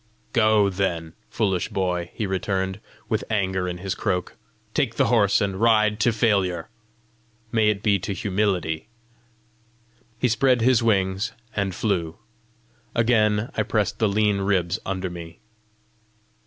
"Go, then, foolish boy!" he returned, with anger in his croak. "Take the horse, and ride to failure! May it be to humility!" He spread his wings and flew. Again I pressed the lean ribs under me.